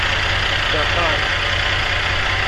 داکار